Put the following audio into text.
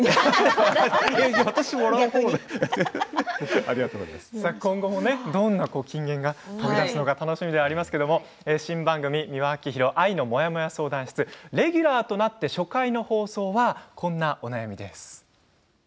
笑い声今後もどんな金言があるのか楽しみですけれども新番組「美輪明宏愛のモヤモヤ相談室」レギュラーとなって初回の放送はこんなお悩みです。